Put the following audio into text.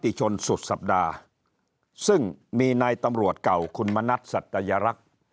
ชนสุดสัปดาห์ซึ่งมีนายตำรวจเก่าคุณมณัฐสัตยรักษ์